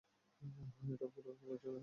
আহ, এটাও ভুলে গিয়েছিলাম।